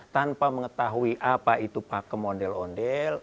tanpa mengetahui apa itu pakem ondel ondel